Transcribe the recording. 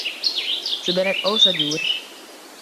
Se binne ek o sa djoer.